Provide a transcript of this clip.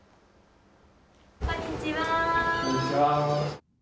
こんにちは。